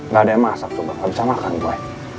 gak ada yang masak coba gak bisa makan gue